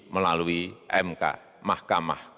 melalui mk mahkamah